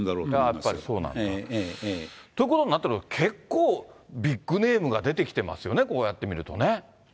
やっぱりそうなんだ。ということになってくると、結構ビッグネームが出てきてますよね、こうやって見るとね。